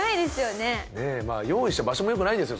ねっまあ用意した場所もよくないですよ